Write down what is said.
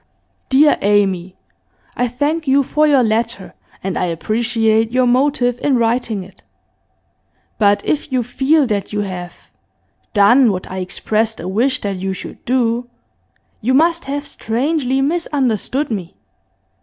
'Dear Amy, I thank you for your letter, and I appreciate your motive in writing it. But if you feel that you have "done what I expressed a wish that you should do," you must have strangely misunderstood me.